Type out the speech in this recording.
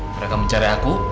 mereka mencari aku